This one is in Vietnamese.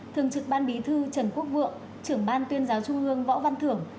thường trực ban bí thư trần quốc vượng trưởng ban tuyên giáo trung ương võ văn thưởng